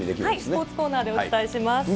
スポーツコーナーでお伝えします。